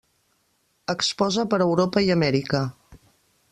Exposa per Europa i Amèrica.